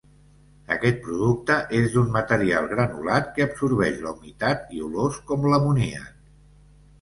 Aquest producte és d'un material granulat que absorbeix la humitat i olors, com l'amoníac.